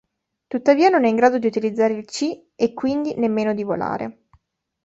Tuttavia non è in grado di utilizzare il ki, e quindi nemmeno di volare.